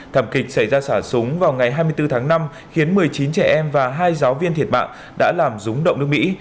thảm kịch xảy ra xả súng vào ngày hai mươi bốn tháng năm khiến một mươi chín trẻ em và hai giáo viên thiệt mạng đã làm rúng động nước mỹ